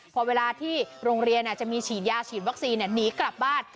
พอเวลาที่โรงเรียนจะมีฉีดยาฉีดวัคซีนหนีกลับบ้าน